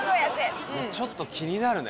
ちょっと気になるね